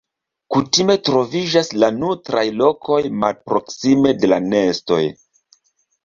Kutime troviĝas la nutraj lokoj malproksime de la nestoj.